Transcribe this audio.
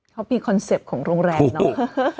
เขามีคอนเซ็ปต์ของโรงแรมเนาะ